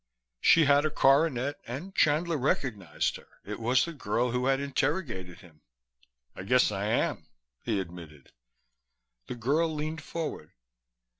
She had a coronet, and Chandler recognized her. It was the girl who had interrogated him. "I guess I am," he admitted. The girl leaned forward.